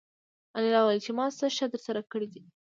انیلا وویل چې ما څه ښه درسره کړي دي